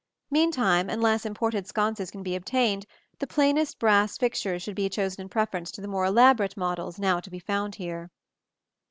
Meantime, unless imported sconces can be obtained, the plainest brass fixtures should be chosen in preference to the more elaborate models now to be found here.